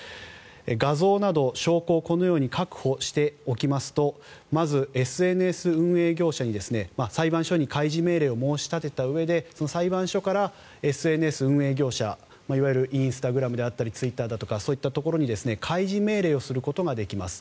画像など、証拠をこのように確保しておきますとまず、ＳＮＳ運営業者に裁判所に開示命令を申し立てたうえでその裁判所からＳＮＳ運営業者いわゆるインスタグラムだとかツイッターだとかそういったところに開示命令をすることができます。